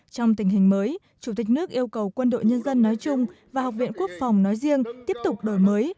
trong tình hình mới chủ tịch nước yêu cầu quân đội nhân dân nói chung và học viện quốc phòng nói riêng tiếp tục đổi mới